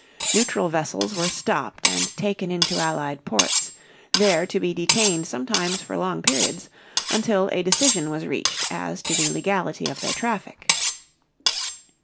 Neutral vessels were stopped and taken into Allied ports, there to be detained sometimes for long periods until a decision was reached as to the legality of their traffic.